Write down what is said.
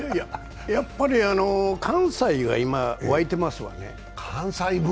やっぱり関西は今、沸いてますよね。